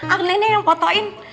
aku nenek yang fotoin